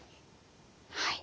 はい。